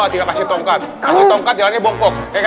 hai sekarang ustadz musa hayalthey dan santun minta